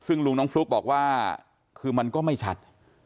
ซึ่งลุงน้องฟลุ๊กบอกว่าคือมันก็ไม่ชัด